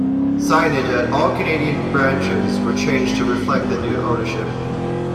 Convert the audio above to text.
Signage at all Canadian branches were changed to reflect the new ownership.